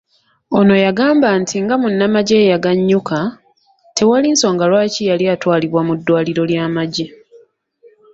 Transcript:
Ono yagamba nti nga munnamagye eyagannyuka, tewaali nsonga lwaki yali atwalibwa mu ddwaliro ly'amagye.